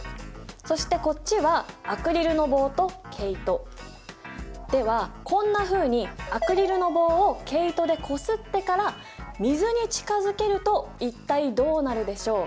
そしてこっちはアクリルの棒と毛糸。ではこんなふうにアクリルの棒を毛糸でこすってから水に近づけると一体どうなるでしょう？